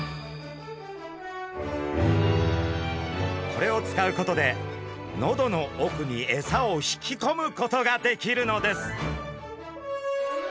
これを使うことで喉の奥にエサを引きこむことができるのです。